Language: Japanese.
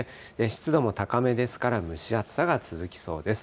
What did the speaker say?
湿度も高めですから、蒸し暑さも続きそうです。